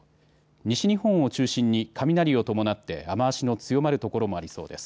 西日本を中心に雷を伴って雨足の強まる所もありそうです。